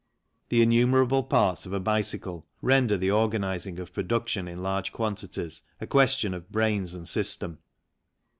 The innumerable parts of a bicycle render the organizing of production in large quantities a question of brains and system.